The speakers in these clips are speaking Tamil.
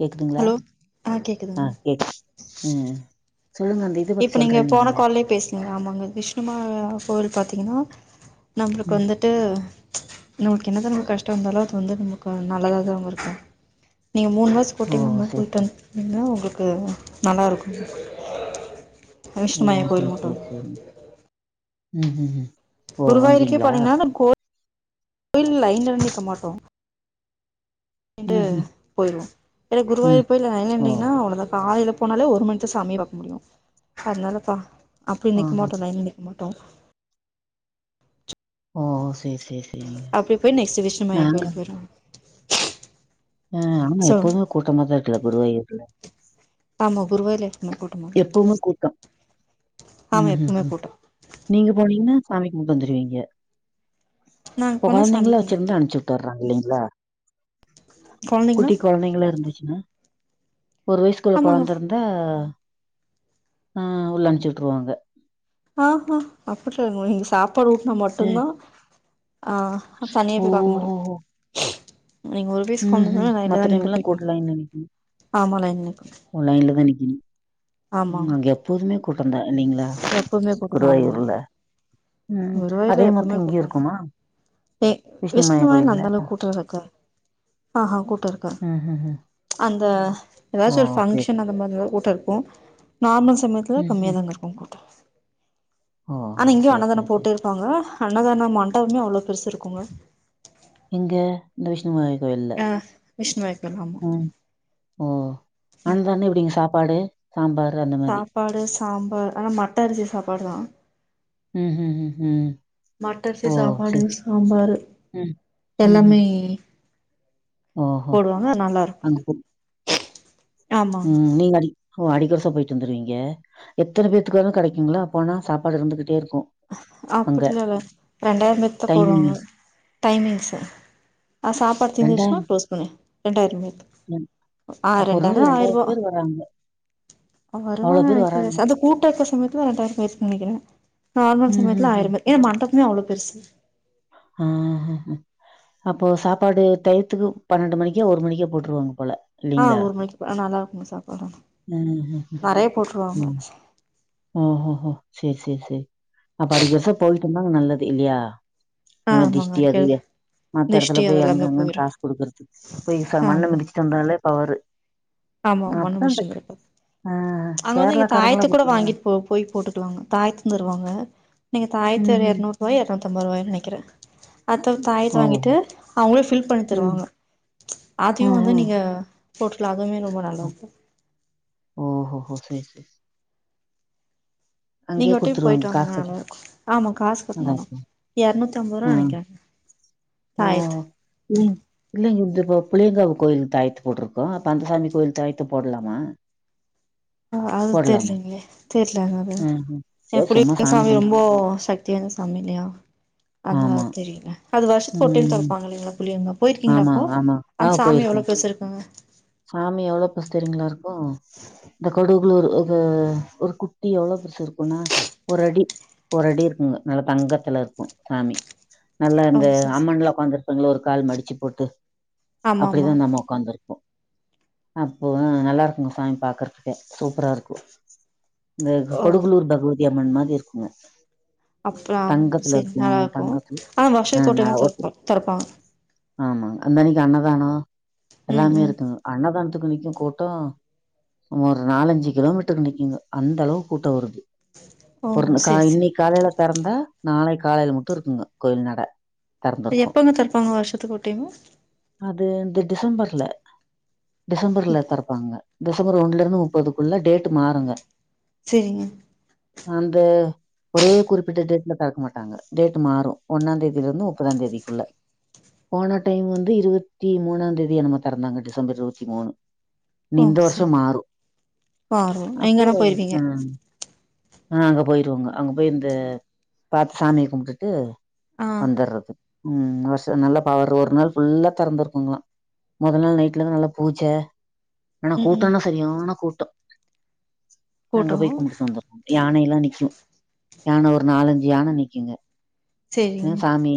கேக்குதுங்களா ஹலோ ஆ கேக்குதுங்க ம் சொல்லுங்க அந்தி இப்ப நீங்க போன காலயு பேச ஆமாங்க விஷ்ணுமா கோவில் பா்த்தீங்கன்னா நம்மளுக்கு ம் வந்து ட்டு நமக்கு என்ன தா நமக்கு கஷ்டோ இருந்தாலு அது வந்து நமக்கு நல்லதா தா அவேங்க இருக்கு நீங்க மூணு வாஸ் ஓ போட்டீங்கன்னா சேரி பொயிட்டு சேரி வந்துன்னா உங்களுக்கு நல்லா இருக்கும் ஓ செரி மட்டு செரி செரி ம் ஹும் ஹும் குருவாயிருக்கே போனிங்னாலு நம்ம கோ கோயில் லைன்ல நிகாக மாட்டோ ட்டு ம் ம் போய்ருவோ ஏன்னா ம் குருவாயூர் போய் நீங்க லைன்னா ஓ நீங்கன்னா அவ்ளதா காலையிலப் போனாலே ஒரு மணித்து சாமிய பாக்க முடியு அதுனாலப்பா அப்டி ஆ நிக்க மாட்டோ லைன்ல நிக்க மாட்டோ ஓ சேரி சேரி சேரிங்க அப்டி போய்ட் நெக்ஸ்ட் விஷமாயர் நாங்க கோயிலுக்கு போய்ருவோ ஆ ஆ ஆமா சொல்லுங்க எப்போதுமே கூட்டமா தா இருக்குதா குருவாயூரு ஆமா குருவாயூர்ல எப்பமே கூட்டோ எப்பவுமே கூட்டோ ஆமா ம் ஹும் எப்பவுமே ஹும் கூட்டோ நீங்க போனீங்கன்னா சாமி கும்ட்டு வந்துருவீங்க நாங்க இப்ப போனா சாமி கொழந்தைங்கல கும்பிட்டு வந்தோ வச்சுருந்தா அனுப்ச்சு விட் ட்டுர்றாங்க இல்லைங்ளா கொழந்தைங்களா குட்டி கொழந்தைங்கள இருந்துச்சுன்னா ஒரு வயசுக்குள்ள ஆமாங்க கொழந்த இருந்தா ஆ உள்ள அனுப்ச்சு விட்ருவாங்க ஆ ஹா அப்டி சொல்ல முடியாது நீங்க சாப்பாடு ஊட்டுனா ம் மட்டுந்தா ஆ தனியா ஓ போய் பாக்க முடியு நீங்க ஒரு பீஸ் ம் கொண்டு ஹும் வந்தாலு லைன்ல தா மத்த நிண்டு டைம்லெல்லா போய் கூட் கும்பிடனு லைன்ல நிக்கு ஆமா லைன்ல நிக்கனு ஓ லைன்ல தா நிக்கணும் ஆமாங்க அங்க எப்போதுமே கூட்டந்தா இல்லீங்ளா எப்பவுமே கூட்டந்தாமா ம். அதே குருவாயூர்ல எப்பவுமே மாத்தம் இங்கயும் கூட்டந்தா இருக்குமா? தே விஷ்ணுமாயா விஷ்ணு வாயில்ல கோயில்ல? அந்த அளவுக்கு கூட்டோருக்குக்கா ஆ ஹா கூட்டோ இருக்காத் ம் ஹும் ஹும் அந்த எதாச்சு ஒரு சரி. பங்ஷன் அந்த மாரில்லா கூட்டோ இருக்கு நார்மல் சமயத்ல இப்பதா கம்மியா ம்ஹ்ம். தாங்க இருக்கு கூட்டோ ஓ ஆனா இங்கயு செரி அன்னதானோ செரி செரி போட்டே இருப்பாங்க அன்னதானா மண்டகமே அவ்ளோ பெருசு இருக்குங்க இங்க இந்த விஷ்ணு வாயிர் கோயில்ல ஆ விஷ்ணு வைக்கோல் ஆமா ம் ஓ அன்னதானோ இப்டிங்க சாப்பாடு சாம்பாரு அந்த மாரி சாப்பாடு சாம்பார் ஆனா மட்ட அரிசி சாப்பாடு தா ம் ஹு ஹு ஹும் மட்ட அரிசி சாப்பாடுங் சாம்பார் ம். ம்ஹ்ம். எல்லாமே ஓஹோ! போடுவாங்க நல்லா இருக்கும் அங்க போ ம் நீங்கடி ஓ அடிக்கொர்சா பொயிட்டு வந்துருவீங்க எத்தன பேத்துக்கு வேனா கெடக்குங்களா போனா சாப்பாடு இருந்துகிட்டே இருக்கு அப்டி எல்லா இல்ல ரெண்டாயிரோ பேத்துக்கு தா டைமிங் போடுவாங்க டைமிங்ஸு ஆ சாப்பாடு தீந்துச்னா க்ளோஸ் பண்ணு ரெண்டாயி ம். பேத்துக் ஆ அப்போ ஒரு ரெண்டாய்ரோ நாளைக்கு ஆயிர் ரூபா பேர் வராங்க. அ அவ்ளோ வருவாங்க பேர் நெனக்கிறே வராங்க. சார் அந்ந கூட்டோ இருக்குற சமயத்துல ரெண்டாயிர் பேத்துக் நெனக்கிறே நார்மல் சமயத்துல ஆயிர் ம்ஹ்ஹ்ம். பேரு ஏ மண்டபமே அவ்ளோ பெருசு ஆ ஹ ஹ அப்போ சாப்பாடு டயத்துக்கு பன்னெண்டு மணிக்கோ ஒரு மணிக்கே போட்ருவாங்க போல ஆ இல்லீங்களா? ஒரு மணிக்கு போ நல்லா இருக்கு சாப்பாடு ம்ஹ்ஹ்ம். நெறையா போட்ருவாங்க ஓ ஹோ ஹோ சேரி சேரி சேரி அப்ப அடிக் கொர்ஷோ போய்ட்டும்னா நல்லது இல்லையா ஆ அங்க ஆமாங்க திஷ்டி அது அடிக்கடி இது மத்த திஷ்டி எடத்ல பேயி அங்க அதெல்லாமே அங்கன் போயிரு காசு குடுக்குறது போயி ச மண்ண ஆமா மிதிச்சு சந்தாலே பவரு ஆமா மண்ணு அப்பதான் மிச்ட்டு அந்த வந்திருப்ப ஆ அங்க வந்து இங்க கேரளாக்காரங்கள தாயத்து கூட பாத்தீங்களா? வாங்கி போ போயி போட்டுட்டுவாங்க தாய்த்து தருவாங்க நீங்க தாயத்த ம்ஹ்ம். எர்நூ றுவாயோ எர்நூத்தம்பது ருவாயோ நெனைக்கிறே அத்தோ தாயத்த ஓ. வாங்கிட்டு அவுங்களே ஃபில் பண்ணி ம். தருவாங்க அதியு வந்து ம்ஹ்ம். நீங்க போட்க்லா அதுமே ரொம்ப நல்லதா ஓ ஹொஹொ சேர் சேர் நீங்க அங்கேயே ஒரு டைம் குடுத்துருவாங்க போய்ட்டு வாங்க காசு கட்டி நல்லார்க்கு ஆமா காசு கட்னு அதா ஆனா எர்நூத்தி அம்பருவா ஆ நெனக்கிறே ஓ [inaudible] இல்லிங்க இத் இப்ப புளியங்காவ் கோயில் தாய்த்து போட்ருக்கோ அப்ப அந்தசாமி கோயில் தாயத்து போட்லாமா ஆ அது தெர்லிங்ளே தெர்லங்க அது ம் ம் ஏ சேரி சும்மா புளியங்காவ் சாமி கும்பு ரொம்பொ சக்திவாய்ந்த சாமி இல்லியா அதா ஆமா தெரில அது வர்ஷத்துக்கொரு டைம் ம் தொறப்பாங்க இல்லிங்ளா புளியங்காவ் போய்ருக்கீங்ளா ஆமா அப்போ ஆமா ஆ அந்சாமி போயிருக்கோ எவ்ளோ பெருசுருக்குங்க சாமி எவ்ளோ பெர்சு தெரியுங்ளாருக்கு இந்த கொடுகுலூர் இது ஒரு குட்டி எவ்ளொ பெருசுருக்குனா ஒரடி ஒரு அடி இருக்குங்க நல்ல தங்கத்லருக்கு சாமி நல்லா ஓ இந்த சரி சரி அம்மன்ல ஒக்காந்துருப்பாங்ள ஒரு கால் மடிச்சு போட்டு ஆமா ஆமா அப்டிதா இந்தம்மா ஒக்காந்துருக்கு அப்போ நல்லாருக்குங்க சாமி பாக்கற்துக்கே சூப்பராருக்கு இந்த ஓ கொடுகுலூர் பகவதி அம்மன் மாதி இருக்குங்க அப்றோ தங்கத்துல செரி இருக்கும் நல்லாருக்கு தங்கத்துல ஆனா வர்ஷத்க்கு ஒரு டைம் தொறக்கு தொறப்பாங்க ஆமாங் அந்தன்னக்கி அன்னதானோ ம் எல்லாமே ம் இருக்குங்க அன்னதானத்துக்கு நிக்கு கூட்டோ ஒரு நாலஞ்சு கிலோமீட்டர் நிக்கிங்கோ அந்தளவு கூட்டோ வருது ஓ ப்றோந்த கா சரி இன்னிக் காலைல தெறந்தா நாளைக் காலைல முட்டு இருக்குங்க கோயில் நட திறந்திருக்கும் எப்பங்க தொறப்பாங்க வர்ஷத்துக்கு ஒரு டைமு அது வந்து டிசம்பர்ல டிசம்பர்ல தெறப்பாங்க டிசம்பர் ஒன்லருந்து முப்பதுக்குள்ள டேட்டு மாறுங்க செரிங்க அந்த ஒரே குறிப்பிட்ட டேட்ல தெறக்க மாட்டாங்க டேட்டு மாறு ஒன்னா தேதிலருந்து முப்பதாந்தேதிக்குள்ள போன டைம் வந்து இருவத்தி மூனாந்தேதி என்னமோ தெறந்தாங்க டிசம்பர் இருவத்தி மூனு இனி ஓ இந்த வர்ஷோ சரி மாறு வரு அப்போ நீங்கனா போயிருவீங்க ம் நா போய்ருவங்க அங்க போய் இந்த பாத்து சாமிய கும்ட்டுட்டு ஆ வந்துறது ம் வர்ஷ நல்லா பவரு ஒரு நாள் ஃபுல்லா தெறந்துருக்குங்லா மொத நாள் நை ட்லலா நல்ல பூஜ ஆனா ம் ம் கூட்டனா சரியான கூட்டோ நாங்க கூட்டோ போய் கும்ட்டுட்டு வந்துருவோ யானயெல்லா நிக்கு யான ஒரு நாலஞ்சு யான நிக்குங்க எ சேரிங்க சாமி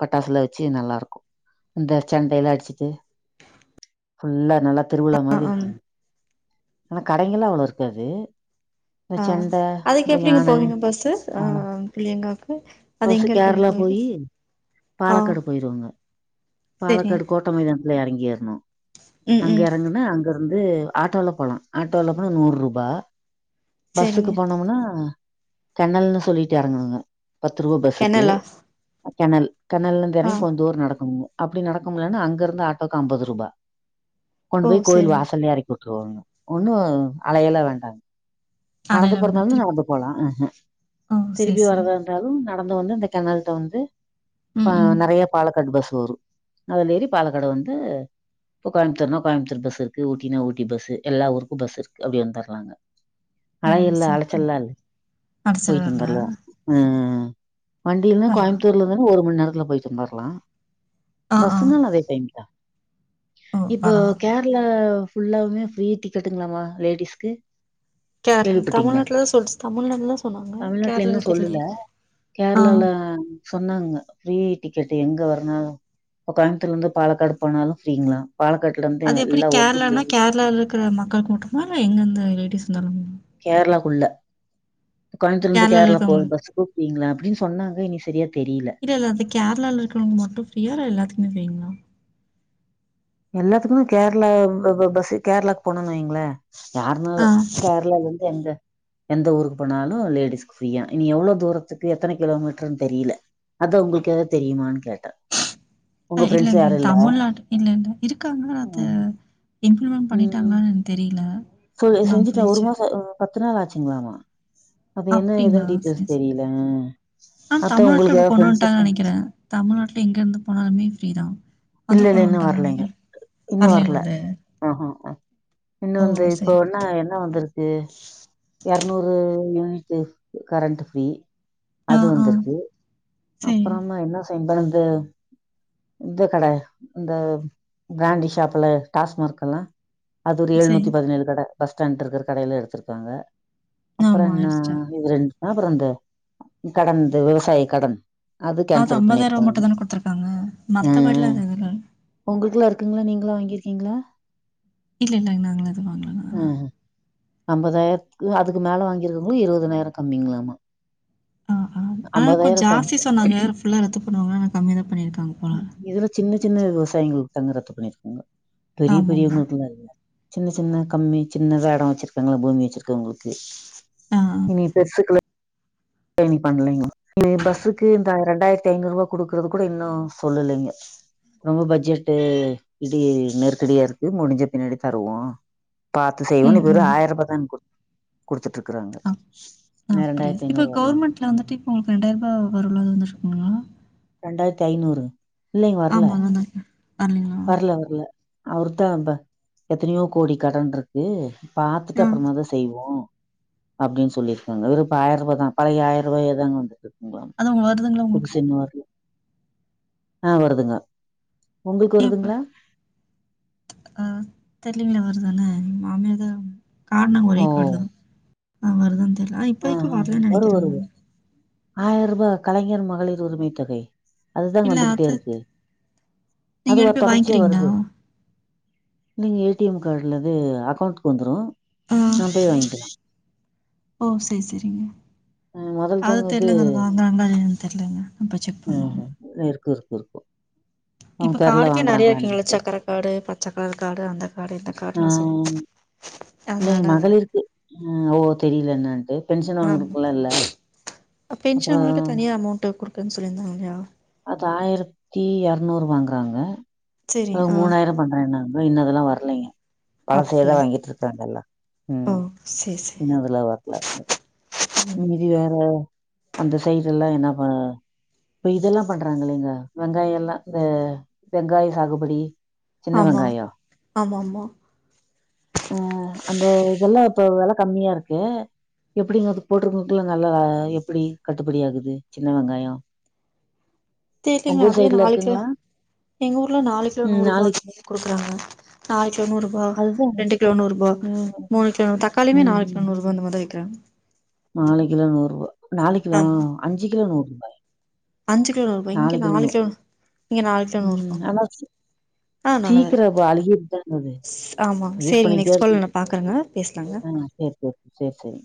பட்டாசுலா வெச்சு நல்லாருக்கு இந்த சந்தயெல்லா வச்சிட்டு ஃபுல்லா நல்லா திருவிழா மாரி இருக்கு ம் ஆனா கடைங்கள்லா அவ்ளோ இருக்காது இந்த ஆ சண்ட இந்த அதுக்கெப்டிங்க யான போவிங்க பஸ்ஸு ஆ அவ்ளோ புளியங்காக்கு அது பஸ்ஸு எங்க இருக்கு அந்த கேர்ளா கோயிலு போயி ஆ பாலக்காடு போய்ருவங்க சேரிங்க பாலக்காடு கோ ட்ட மைதானத்துல எறங்கிற்னு ம் அங்க ம் எறங்கனோ ன அங்கருந்து ஆட்டோல போலா ஆட்டோல போனா நூறுபா பஸ்ஸுக்கு சேரிங்க போனோமுனா தன்னல்னு சொல்லிட்டு எறங்கனுங்க பத்து ருவா பஸ்சுக்கு கெனலா கெனல் கெனல்லெந்து ஆ எறங் கொஞ் தூர் நடக்கும்ங் அப்புடி நடக்க முல்லன்னா அங்க இருந்து ஆட்டோவுக்கு அம்பது ருபா கொண்டு ஓ போய் கோயில் சேரிங்க வாசல்லெ எரக் வுட்டுவாங்க ஒன்னு அலையல வேண்டாங் அட இல்ல மேடம் நடந்துபோறந்தாலான் திருப்பி நடந்து போலா அஹ ஓ சேரி திருப்பி சேரி வரதா இந்தாலு நடந்து வந்து இந்த கெனல்ட்ட வந்து ம் ப ம் நெறைய பாலக்காட் பஸ் வரு அதுலஏறி பாலக்காடு வந்து இப்போ கொயம்த்துர்னா கோயம்த்தூர் பஸ் இருக்கு ஊட்டின்னா ஊட்டி பஸ்ஸு எல்லா ஊருக்கு பஸ் இர்க்கு அப்டி வந்தர்லாங்க அ செர்ப்ப அடிச்சில்லட்ற அ வண்டில்ன கோயம்த்தூர்ல இருந்துங் ஒரு மண்நேரத்துல போயிட்டு வந்தர்லா ஆ ஆ பஸ்ஸுன்னால் அதே டைம்தா ஓ இப்போ பரவால்ல கேர் ல்லர் ஃபுல்லாவே ஃப்ரீ டிக்கெட்டுங்களலாம லேடிஸ்க்கு கேர்ளா கேள்விப்பட்டீங்களா தமிழ்நாட்ல தா சொல் தமிழ்நாட்டுல தா சொன்னாங்க கேர்ளல் சொல்லுல கேர்ளால சொன்னாங்க ஃப்ரீ டிக்கெட் எங்க வருனாலு இப்ப கொயம்த்தூர்ல இந்து பாலக்காடு போனாலு ஃப்ரீங்களா பாலக்காட்லறந்து எல்லா ஊருக்கு ஃப்ரீ இருக்குற மக்கள்க்கு மட்டுமா இல்ல எங்கங்க லேடிஸ் இந்தாலும் கேர்ளாக்குள்ள கோயம்த்தூர்ல இந்து கேரளால கேர்ளா போகும் இருக்கவங்களுக்கு பஸ்சு கூப்டிங்களா அப்டின் சொன்னாங்க இனி செரியா தெரில இல்ல இல்ல அது கேர்லால இருக்கவங்க மட்டு ஃப்ரீயா இல்ல எல்லாத்துக்குமே ஃப்ரீங்ளா எல்லாத்துக்குமே கேர்ளா ப ப பஸ்சு கேர்ளாக்க போனோன் வைங்களே யாரும ஆ சேர்ளாலேந்து எந்த எந்த ஊருக்கு போனாலு லேடிஸ்கு ஃப்ரீயாஇனி எவ்ளோ தூரத்துக்கு எத்தன கிலோமீட்டர்னு தெரியில அத்தா உங்குளுக்கு எதாது தெரியுமான் கேட்ட அ இல்லங்க தமிழ்நாட்டுக் இல்லங்க இருக்காங்க அத ம். இம்ப்ளிமண் ம். பண்ணிட்டாங்களான் எனக்கு தெரியில நாம் போய் யோசிச் பத்துநாள் ஆச்சுங்களாமா அப்ப என்ன அப்படிங்களா ஏதுன் டீட்டெயில்ஸ் சரி சரி தெரியில ஆனா அத்த தமிழ்நாட்டுல உங்களுக்கு இப்படி எதா கொண்டு ஃப்ரென்ஸு வந்துட்டாங்கன்னு நினைக்கிறேன் தமிழ்நாட்டுல எங்க இர்ந்து போனால்மே ஃப்ரீ தா அது இல்ல இல்ல இன்னு கொன்னுவன்ட்டாங்க நெனக்க வர்லங்ளாஅது அஹ இன்னு அந்து சரி இப்ப என்ன என்ன வந்துருக்கு எரநூறு யூனிட்டு கரண்ட்டு ஃப்ரீ ஆ அது ஆ வந்துருக்கு சரி அப்பறமா என்னா செய்ம்படுது இந்த கட இந்த ப்ராண்டி ஷாப்ல டாஸ்மார்க்கல்லா அது ஒரு சரி ஏழ்நூத்திபதினேழு கட பஸ் ஸ்டாண்ட் இருக்கு கடையில எடுத்துருக்காங்க அப்பற ஆமா என்ன எடுத்துட்டேன் இது ரெண்டு அப்பற ந்த கடன் ந்த விவசாயி கடன் அது கேன்சல் அம்பதாயிர்வ பண்ணிருக்காங்க மட்டுதன குடுத்துருக்காங்க மத்தபடில எது இல்லல்ல ஒங்குளுக்குல்லா இருக்குங்களா நீங்கள்ளா வாங்கிர்க்கீங்களா இல்ல இல்லங் நாங்ளா எது வாங்கலங்க நா அம்பதாயிர்த்துக்கு அதுக்கு மேல வாங்கிர்க்கவுங்களு இருவதுனாயிரொ கம்மிங்களாமா அம்பதாயிர கம்மி க நாங்க யேரு ஃபுல்லா ரத்து பண்ணுவாங்க நா கம்மிதா பண்ணிருக்காங்க போல இதுல சின்ன சின்ன விவசாயிங்களுக்கு தங்க ரத்து பண்ணிருக்காங்க பெரிய ஆமாமா. பெரியவங்களுக்குல்லா இல்ல சின்ன சின்ன கம்மி சின்னதா எடொ வச்சிருக்காங்கள பூமி வச்சிருக்கவங்களுக்கு ஆ. இனி பெருசுக்குலா பயணி பண்லைங்க இனி பஸ்சுக்கு இந்த ரெண்டாயிர்த்திஐநூர்ருவா குடுக்கறது கூட இன்னு சொல்லுலிங்க ரொம்ப பட்ஜெட்டு இடி நெருக்கடியா இருக்கு முடிஞ்ச பின்னடி தருவோ பாத்து செய்வோன்னு ம், இவுரு ம். ஆயர்ரூாபா தானுங் குடுத் குடுத்துட்டுருக்கிறாங்க ன ரெண்டாயர்த்திஐநூருவா கவர்மெண்ட்லா வந்துட்டு இப்போ உங்களுக்கு ரொண்டயிரரூபா வரவுல வந்துருட்டுருக்குங்ளா ரெண்டாயிரத்தி ஐநூறு இல்லைங்க வரல ஆமாங்க அது வரலீங்க வரல வரல அவர்தா இந்த எத்தனயோ கோடி கடன்ருக்கு பாத்துட்டு ஆ. அப்புறமாதா செய்வோ அப்டின்னு சொல்லிர்க்காங்க வேறு இப்ப ஆயிரோ ரூபா தா பழைய ஆயிரோ ரூபாயே தாங்க வந்ததுட்டுருக்கு அது உங்களுக்கு வருதுங்களா புது உங்களுக்கு? இன்னு வரல ஆ வருதுங்க உங்களுக்கு ஏப்ப வருதுங்களா அ தெரியலேங்க வருதானு மாமியாதா கார்டுலா ஓ ஒரே கார்டு தா வருதான்னு தெரியல ஆனா ஆ இப்போவரைக்கு ஆ வரலன்னு வரு நெனைக்கிறேங்க வரு நானு ஆயிர ரூபா கலைஞர் மகளிர் உரிமை தொகை அதுதா இல்ல அது வந்துகிட்டேருக்கு அது நீங்க ஒரு எடுத்து போய் தொடர்ச்சியா வாங்கிக்கிறீங்களா வருது நீங்க ஏ டி எம் கார்டுலவே அக்கௌண்ட்டுகு வந்துடு ஆ நா போய் வாங்கிக்கிலா ஓ சேரி சேரிங்க ஆ மொதல் அது தாங்க இது தெரிலங்க அது வாங்குறங்களா இல்லயானு தெரிலங்க அப்ப செக் பண்ணணு இருக்கு இருக்கு இருக்கு அவங்க இப்ப பேர்ல காடுக்கே நெறைய இருக்குங்கள வாங்குறாங்களான்னுட்டு சக்கர காடு பச்சக்கலர் காடு அந்த காடு இந்த ஆ காடுல்லா சொல்லு இல்லைங்க மகளிருக்கு ஓ தெரில என்னன்ட்டு ஆமா பென்ஷன் அப்புறம் அமௌண்ட் தனியா அமௌண்ட் குடுக்கேன்னு சொல்லிருந்தாங்க இல்லயா அது ஆயிரத்தி இரநூறு வாங்குறாங்க சரி ஆ மூணாயிரோ பண்றேன்னாங்க இன்னு அதெல்லா வரலீங்க பழசுதா அப்படியா வாங்கிட்ருக்காங்க எல்லா ஓ ம் சரி சரி இன்னு அதுல வர்ல [inaudible] மீதி வேற அந்த சைஸ் எல்லா என்ன அப்ப இதெல்லா பண்றாங்களங்க அ வெங்காயோஃல்லா இந்த வெங்காயோ சாகுபடி சின்ன ஆமா வெங்காயோ ஆமா [inaudible] ஆ அந்த இதெல்லா இப்ப வெல கம்மியாருக்கு எப்டிங்க அது போட்ருங்களுக்குள்ள நல்லா எப்டி கட்டுப்படி ஆகுது சின்ன வெங்காயோ தெரிலிங்க அதுவே சைடுல நாலு கிலோ இருக்குங்களா? எங்க ஊர்ல நாலு கிலோ ம் நூறு ரூபா நாளைக்கு சொல்லி குடுக்குறாங்க நாலு கிலோ நூறு ரூபா அதுதான் ரெண்டு கிலோ நூறு ரூபா ம். மூணு கிலோ தக் காளியுமே நாள்க்கு நண்ணூறுபா அந்த மாதிரிதா விக்கிறாங்க நாலு கிலோ நூறு ரூவா நாலு கிலோ ஆமா அஞ்சு கிலோ நூறு ரூபாய் அஞ்சு கிலோ நூறுபா இங்க நாலு கிலோ இங்க நாலு கிலோ நூற் ருபா சீக்கிரோ அது அழுகிறுதா என்னது ஆமா யூஸ் சேரிங்க பண்ணிட்டே நெக்ஸ்ட் கால்ல இருக்கனு நா பாக்குறேங்க பேசலாங்க ஆ சேரி சேரி சேரி சேரி